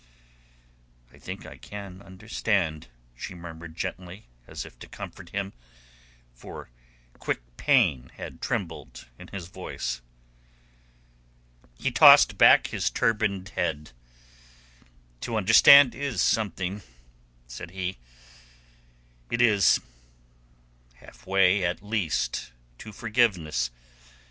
"I think I can understand," she murmured gently, as if to comfort him, for quick pain had trembled in his voice. He tossed back his turbaned head. "To understand is something," said he. "It is half way at least to forgiveness.